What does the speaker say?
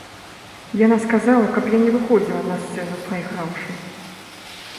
Яна сказала, каб я не выходзіла на сцэну прайграўшай.